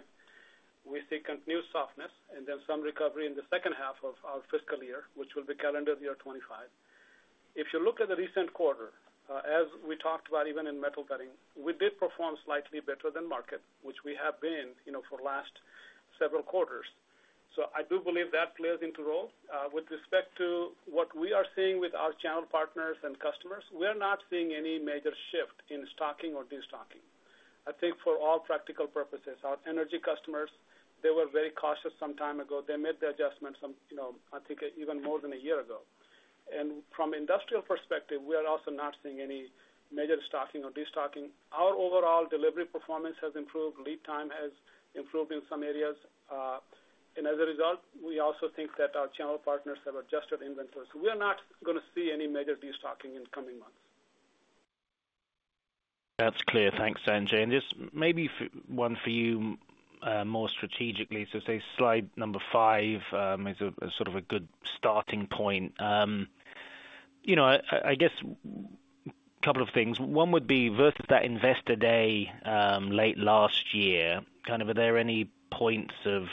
we see continued softness and then some recovery in the second half of our fiscal year, which will be calendar year 2025. If you look at the recent quarter, as we talked about, even in metal cutting, we did perform slightly better than market, which we have been for the last several quarters. So I do believe that plays into role. With respect to what we are seeing with our channel partners and customers, we're not seeing any major shift in stocking or destocking. I think for all practical purposes, our energy customers, they were very cautious some time ago. They made the adjustments, I think, even more than a year ago. And from an industrial perspective, we are also not seeing any major stocking or destocking. Our overall delivery performance has improved. Lead time has improved in some areas. And as a result, we also think that our channel partners have adjusted inventory. So we're not going to see any major destocking in coming months. That's clear. Thanks, Sanjay. And just maybe one for you more strategically. So, say, slide number five is sort of a good starting point. I guess a couple of things. One would be versus that investor day late last year, kind of are there any points of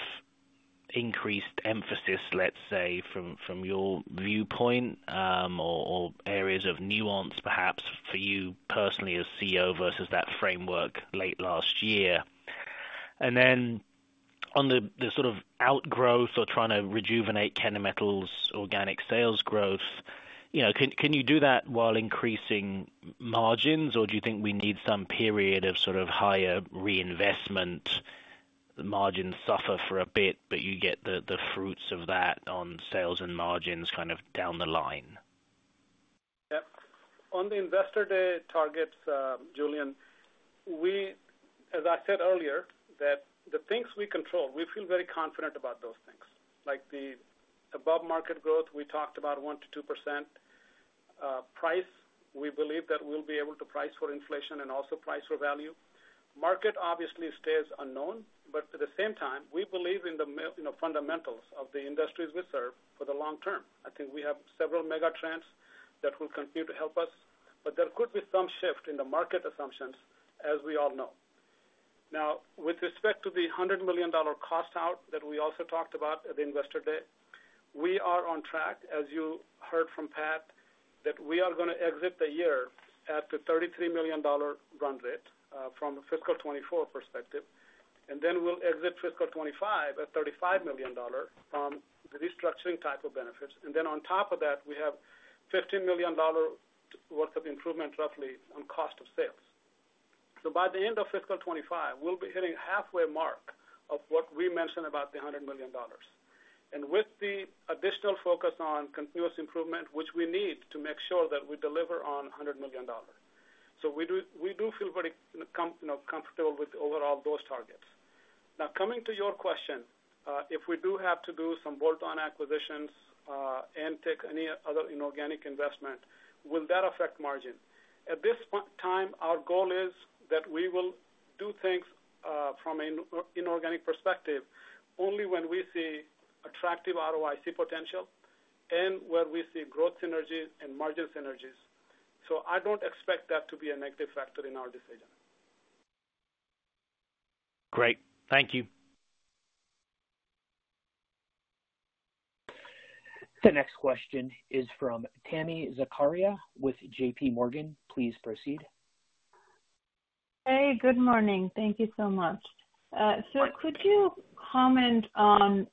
increased emphasis, let's say, from your viewpoint or areas of nuance, perhaps, for you personally as CEO versus that framework late last year? And then on the sort of outgrowth or trying to rejuvenate Kennametal's organic sales growth, can you do that while increasing margins, or do you think we need some period of sort of higher reinvestment? The margins suffer for a bit, but you get the fruits of that on sales and margins kind of down the line. Yep. On the investor day targets, Julian, as I said earlier, that the things we control, we feel very confident about those things. Like the above-market growth, we talked about 1%-2%. Price, we believe that we'll be able to price for inflation and also price for value. Market obviously stays unknown, but at the same time, we believe in the fundamentals of the industries we serve for the long term. I think we have several mega trends that will continue to help us, but there could be some shift in the market assumptions, as we all know. Now, with respect to the $100 million costout that we also talked about at the investor day, we are on track, as you heard from Pat, that we are going to exit the year at the $33 million run rate from a fiscal 2024 perspective. And then we'll exit fiscal 2025 at $35 million from the restructuring type of benefits. And then on top of that, we have $15 million worth of improvement roughly on cost of sales. So by the end of fiscal 2025, we'll be hitting halfway mark of what we mentioned about the $100 million. And with the additional focus on continuous improvement, which we need to make sure that we deliver on $100 million. So we do feel very comfortable with overall those targets. Now, coming to your question, if we do have to do some bolt-on acquisitions and take any other inorganic investment, will that affect margin? At this time, our goal is that we will do things from an inorganic perspective only when we see attractive ROIC potential and where we see growth synergies and margin synergies. So I don't expect that to be a negative factor in our decision. Great. Thank you. The next question is from Tami Zakaria with J.P. Morgan. Please proceed. Hey, good morning. Thank you so much. So could you comment on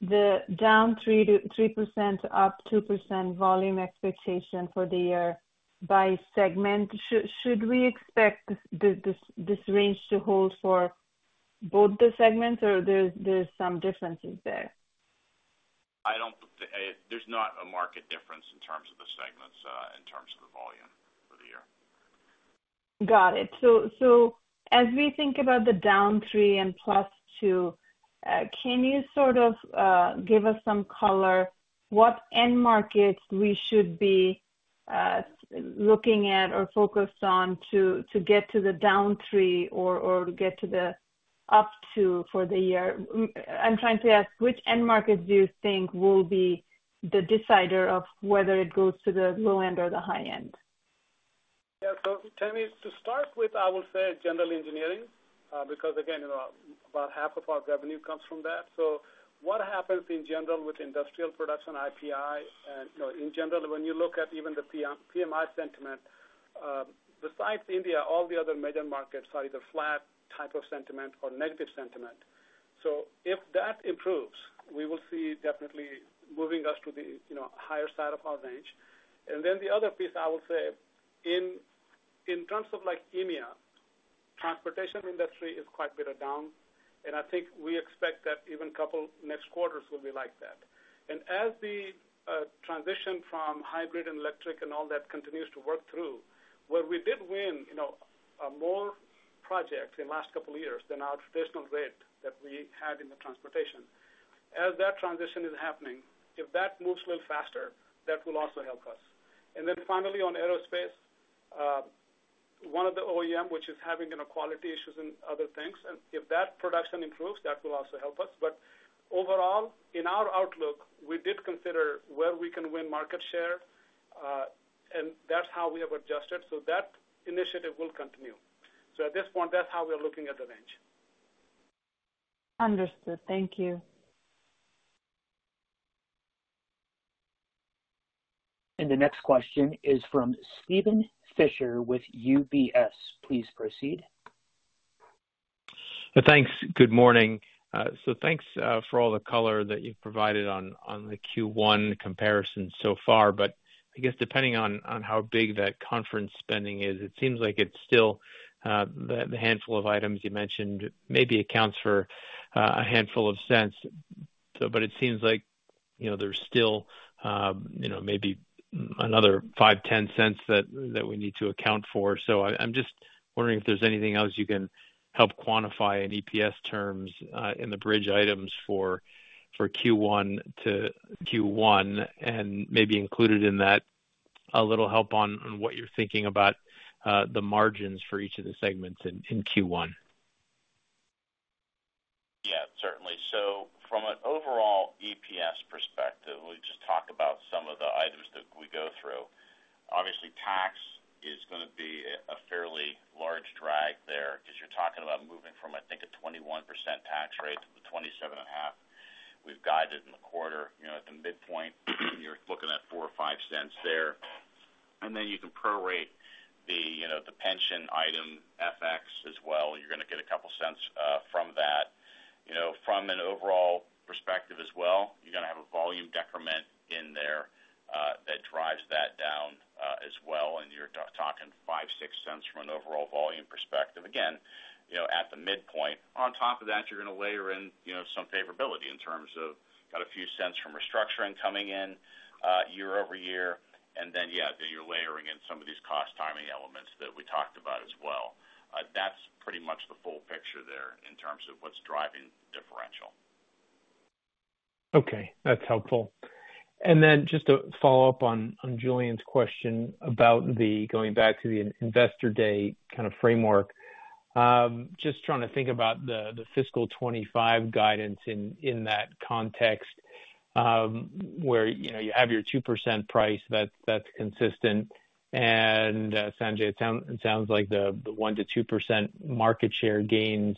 the down 3%, up 2% volume expectation for the year by segment? Should we expect this range to hold for both the segments, or there's some differences there? There's not a market difference in terms of the segments, in terms of the volume for the year. Got it. So as we think about the down 3 and plus 2, can you sort of give us some color what end markets we should be looking at or focused on to get to the down 3 or get to the up 2 for the year? I'm trying to ask which end markets do you think will be the decider of whether it goes to the low end or the high end? Yeah. So Tami, to start with, I will say general engineering because, again, about half of our revenue comes from that. So what happens in general with industrial production, IPI, and in general, when you look at even the PMI sentiment, besides India, all the other major markets are either flat type of sentiment or negative sentiment. So if that improves, we will see definitely moving us to the higher side of our range. And then the other piece, I will say, in terms of EMEA, transportation industry is quite a bit down. And I think we expect that even the next couple of quarters will be like that. And as the transition from hybrid and electric and all that continues to work through, where we did win more projects in the last couple of years than our traditional rate that we had in the transportation. As that transition is happening, if that moves a little faster, that will also help us. And then finally, on aerospace, one of the OEM, which is having quality issues and other things, and if that production improves, that will also help us. But overall, in our outlook, we did consider where we can win market share, and that's how we have adjusted. So that initiative will continue. So at this point, that's how we are looking at the range. Understood. Thank you. And the next question is from Steven Fisher with UBS. Please proceed. Thanks. Good morning. So thanks for all the color that you've provided on the Q1 comparison so far. But I guess depending on how big that conference spending is, it seems like it's still the handful of items you mentioned maybe accounts for a handful of cents. But it seems like there's still maybe another $0.05-$0.10 that we need to account for. So I'm just wondering if there's anything else you can help quantify in EPS terms in the bridge items for Q1-Q1 and maybe included in that a little help on what you're thinking about the margins for each of the segments in Q1. Yeah, certainly. So from an overall EPS perspective, we just talked about some of the items that we go through. Obviously, tax is going to be a fairly large drag there because you're talking about moving from, I think, a 21% tax rate to the 27.5%. We've guided in the quarter. At the midpoint, you're looking at $0.04-$0.05 there. And then you can prorate the pension item FX as well. You're going to get $0.02 from that. From an overall perspective as well, you're going to have a volume decrement in there that drives that down as well. You're talking $0.05-$0.06 from an overall volume perspective. Again, at the midpoint. On top of that, you're going to layer in some favorability in terms of got a few cents from restructuring coming in year-over-year. Then, yeah, then you're layering in some of these cost timing elements that we talked about as well. That's pretty much the full picture there in terms of what's driving differential. Okay. That's helpful. Then just to follow up on Julian's question about going back to the investor day kind of framework, just trying to think about the fiscal 2025 guidance in that context where you have your 2% price that's consistent. And Sanjay, it sounds like the 1%-2% market share gains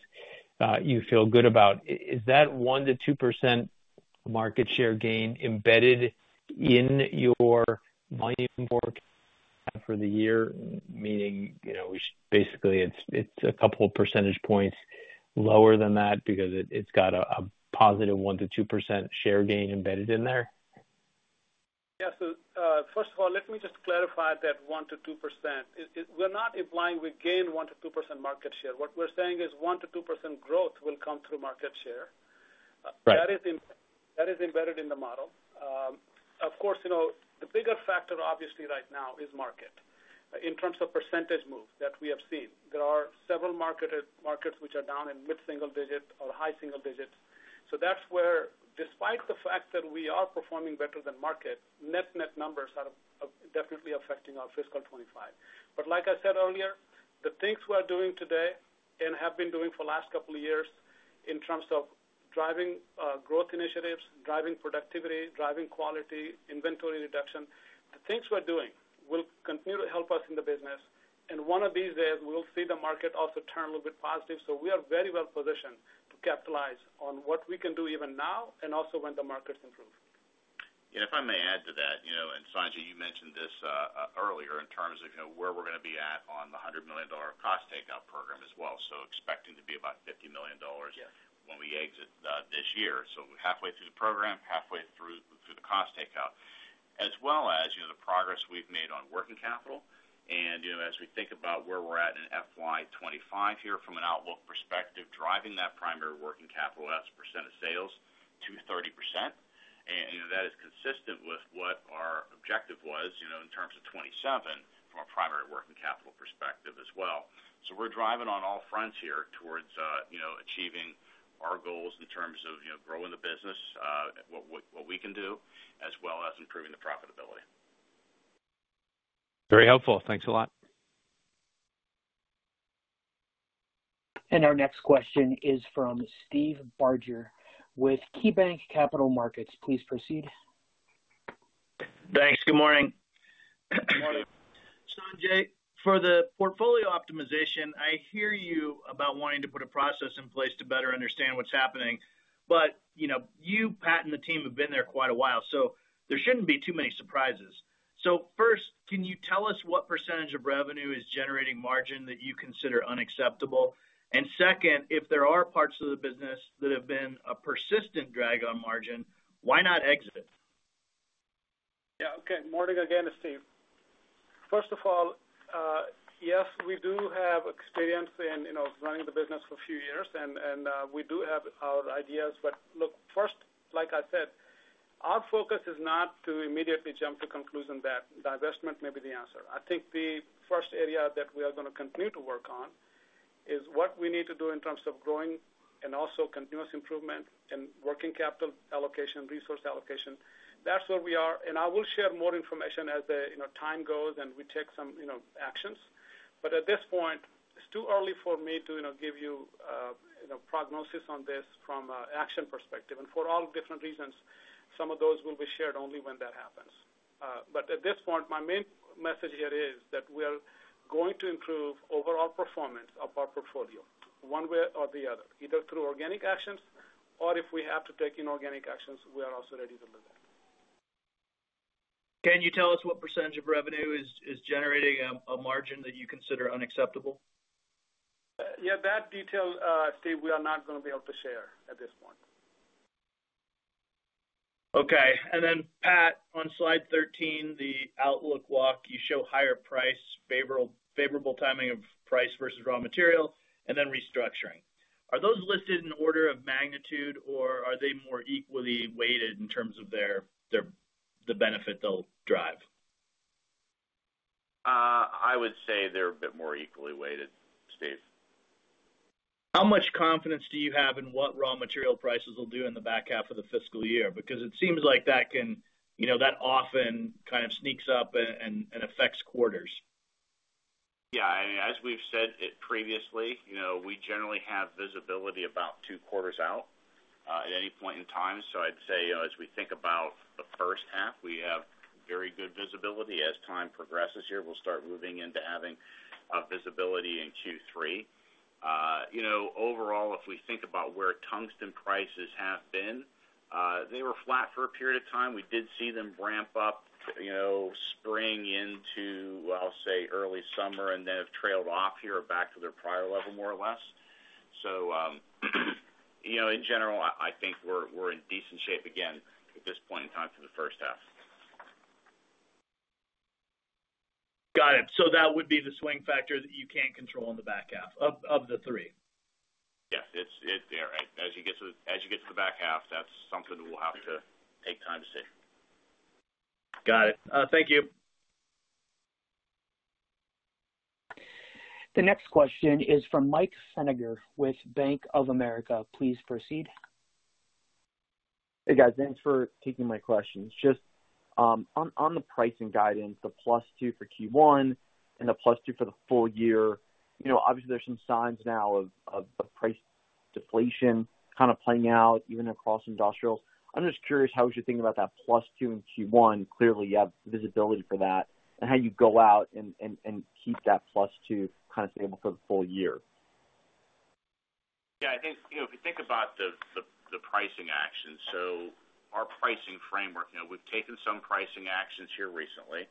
you feel good about. Is that 1%-2% market share gain embedded in your volume for the year, meaning basically it's a couple of percentage points lower than that because it's got a positive 1%-2% share gain embedded in there? Yeah. So first of all, let me just clarify that 1%-2%. We're not implying we gain 1%-2% market share. What we're saying is 1%-2% growth will come through market share. That is embedded in the model. Of course, the bigger factor obviously right now is market. In terms of percentage moves that we have seen, there are several markets which are down in mid-single-digit or high single digits. So that's where, despite the fact that we are performing better than market, net-net numbers are definitely affecting our fiscal 2025. But, like I said earlier, the things we're doing today and have been doing for the last couple of years in terms of driving growth initiatives, driving productivity, driving quality, inventory reduction. The things we're doing will continue to help us in the business. And one of these days, we'll see the market also turn a little bit positive. So we are very well positioned to capitalize on what we can do even now and also when the markets improve. And if I may add to that, and Sanjay, you mentioned this earlier in terms of where we're going to be at on the $100 million cost takeout program as well. So, expecting to be about $50 million when we exit this year. So halfway through the program, halfway through the cost takeout, as well as the progress we've made on working capital. As we think about where we're at in FY 2025 here from an outlook perspective, driving that primary working capital as a percent of sales to 30%. That is consistent with what our objective was in terms of 27% from a primary working capital perspective as well. So we're driving on all fronts here towards achieving our goals in terms of growing the business, what we can do, as well as improving the profitability. Very helpful. Thanks a lot. Our next question is from Steve Barger with KeyBanc Capital Markets. Please proceed. Thanks. Good morning. Good morning. Sanjay, for the portfolio optimization, I hear you about wanting to put a process in place to better understand what's happening. But you, Pat, and the team have been there quite a while, so there shouldn't be too many surprises. So first, can you tell us what percentage of revenue is generating margin that you consider unacceptable? And second, if there are parts of the business that have been a persistent drag on margin, why not exit? Yeah. Okay. Morning again Steve. First of all, yes, we do have experience in running the business for a few years, and we do have our ideas. But look, first, like I said, our focus is not to immediately jump to conclusions that divestment may be the answer. I think the first area that we are going to continue to work on is what we need to do in terms of growing and also continuous improvement and working capital allocation, resource allocation. That's where we are. And I will share more information as the time goes and we take some actions. But at this point, it's too early for me to give you a prognosis on this from an action perspective. And for all different reasons, some of those will be shared only when that happens. But at this point, my main message here is that we are going to improve overall performance of our portfolio one way or the other, either through organic actions or if we have to take inorganic actions, we are also ready to do that. Can you tell us what percentage of revenue is generating a margin that you consider unacceptable? Yeah. That detail, Steve, we are not going to be able to share at this point. Okay. And then, Pat, on slide 13, the outlook walk, you show higher price, favorable timing of price versus raw material, and then restructuring. Are those listed in order of magnitude, or are they more equally weighted in terms of the benefit they'll drive? I would say they're a bit more equally weighted, Steve. How much confidence do you have in what raw material prices will do in the back half of the fiscal year? Because it seems like that often kind of sneaks up and affects quarters. Yeah. As we've said previously, we generally have visibility about two quarters out at any point in time. So I'd say as we think about the first half, we have very good visibility. As time progresses here, we'll start moving into having visibility in Q3. Overall, if we think about where tungsten prices have been, they were flat for a period of time. We did see them ramp up spring into, I'll say, early summer and then have trailed off here back to their prior level more or less. So in general, I think we're in decent shape again at this point in time for the first half. Got it. So that would be the swing factor that you can't control in the back half of the three. Yes. As you get to the back half, that's something we'll have to take time to see. Got it. Thank you. The next question is from Mike Feniger with Bank of America. Please proceed. Hey, guys. Thanks for taking my questions. Just on the pricing guidance, the +2% for Q1 and the +2% for the full year, obviously, there's some signs now of price deflation kind of playing out even across industrials. I'm just curious, how would you think about that +2 in Q1? Clearly, you have visibility for that and how you go out and keep that +2 kind of stable for the full year. Yeah. I think if you think about the pricing actions, so our pricing framework, we've taken some pricing actions here recently.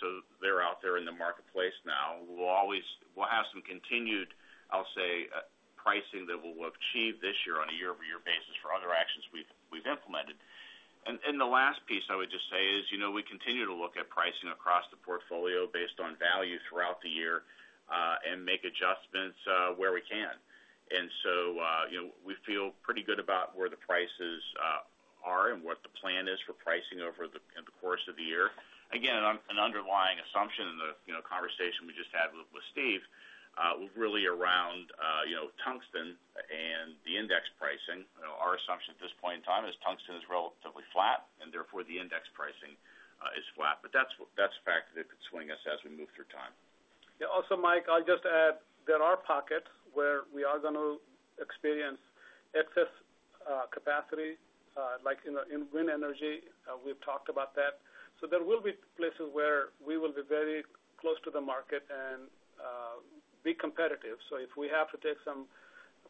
So they're out there in the marketplace now. We'll have some continued, I'll say, pricing that we'll achieve this year on a year-over-year basis for other actions we've implemented. And the last piece I would just say is we continue to look at pricing across the portfolio based on value throughout the year and make adjustments where we can. And so we feel pretty good about where the prices are and what the plan is for pricing over the course of the year. Again, an underlying assumption in the conversation we just had with Steve was really around tungsten and the index pricing. Our assumption at this point in time is tungsten is relatively flat, and therefore the index pricing is flat. But that's a fact that could swing us as we move through time. Yeah. Also, Mike, I'll just add there are pockets where we are going to experience excess capacity like in wind energy. We've talked about that. So there will be places where we will be very close to the market and be competitive. So if we have to take some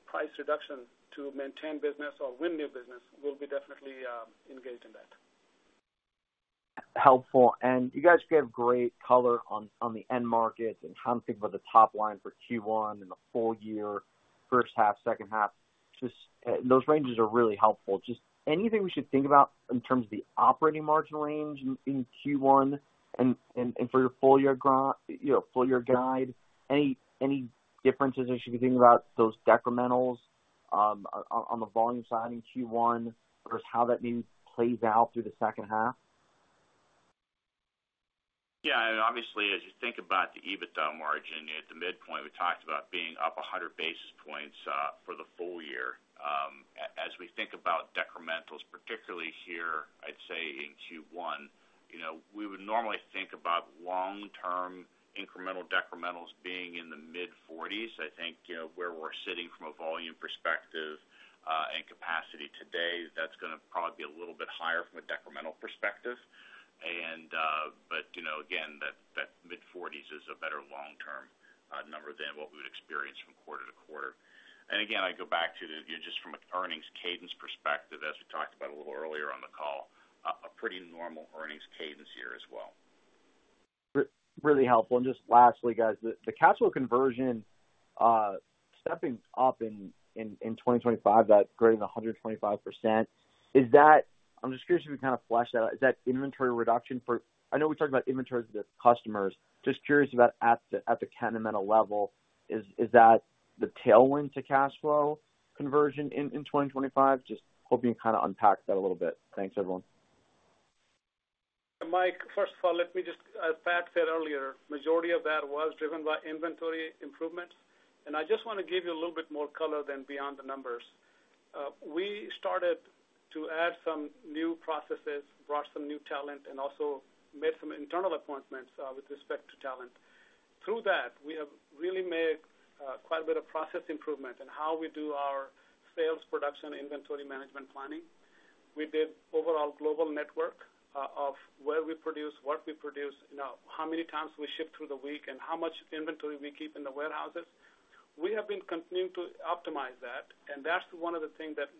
price reduction to maintain business or win new business, we'll be definitely engaged in that. Helpful. And you guys gave great color on the end markets and how to think about the top line for Q1 and the full year, first half, second half. Those ranges are really helpful. Just anything we should think about in terms of the operating margin range in Q1 and for your full-year guide, any differences as you're thinking about those decrementals on the volume side in Q1 versus how that may play out through the second half? Yeah. Obviously, as you think about the EBITDA margin at the midpoint, we talked about being up 100 basis points for the full year. As we think about decrementals, particularly here, I'd say in Q1, we would normally think about long-term incremental decrementals being in the mid-40s. I think where we're sitting from a volume perspective and capacity today, that's going to probably be a little bit higher from a decremental perspective. But again, that mid-40s is a better long-term number than what we would experience from quarter to quarter. And again, I go back to just from an earnings cadence perspective, as we talked about a little earlier on the call, a pretty normal earnings cadence here as well. Really helpful. And just lastly, guys, the cash flow conversion stepping up in 2025, that greater than 125%, I'm just curious if you can kind of flesh that out. Is that inventory reduction? I know we talked about inventories with the customers. Just curious about at the Kennametal level, is that the tailwind to cash flow conversion in 2025? Just hoping you kind of unpack that a little bit. Thanks, everyone. Mike, first of all, let me just, as Pat said earlier, the majority of that was driven by inventory improvements. And I just want to give you a little bit more color on, beyond the numbers. We started to add some new processes, brought some new talent, and also made some internal appointments with respect to talent. Through that, we have really made quite a bit of process improvement in how we do our sales, production, inventory management planning. We did overall global network of where we produce, what we produce, how many times we ship through the week, and how much inventory we keep in the warehouses. We have been continuing to optimize that. And that's one of the things that's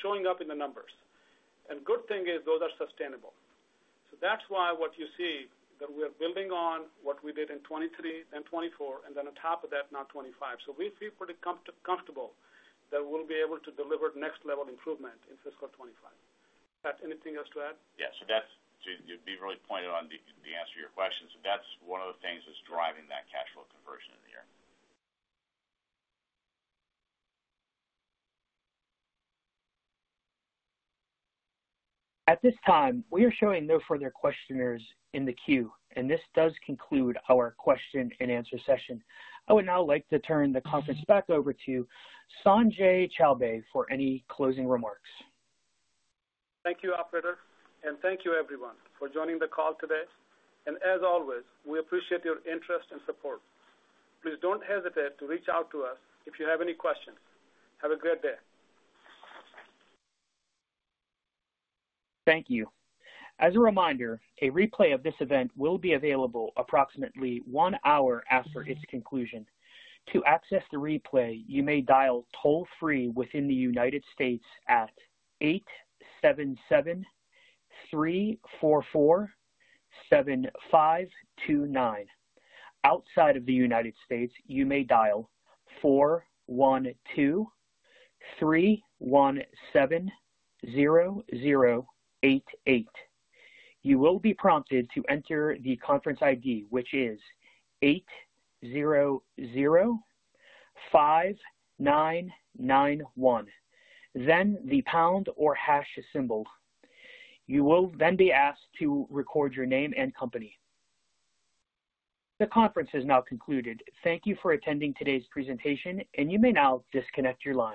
showing up in the numbers. And the good thing is those are sustainable. So that's why what you see that we are building on what we did in 2023, then 2024, and then on top of that, now 2025. So we feel pretty comfortable that we'll be able to deliver next-level improvement in fiscal 2025. Pat, anything else to add? Yeah. So you've been really pointed on the answer to your question. So that's one of the things that's driving that cash flow conversion in the year. At this time, we are showing no further questioners in the queue. And this does conclude our question-and-answer session. I would now like to turn the conference back over to Sanjay Chowbey for any closing remarks. Thank you, operator. And thank you, everyone, for joining the call today. And as always, we appreciate your interest and support. Please don't hesitate to reach out to us if you have any questions. Have a great day. Thank you. As a reminder, a replay of this event will be available approximately one hour after its conclusion. To access the replay, you may dial toll-free within the United States at eight seven seven, three four four, seven five two nine. Outside of the United States, you may dial four one two, three one seven, zero eight eight. You will be prompted to enter the conference ID, which is eight zero zero five nine nine one, then the pound or hash symbol. You will then be asked to record your name and company. The conference has now concluded. Thank you for attending today's presentation, and you may now disconnect your line.